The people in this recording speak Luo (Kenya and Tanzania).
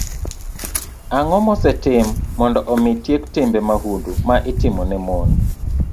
Ang'o mosetim mondo omi tiek timbe mahundu ma itimo ne mon?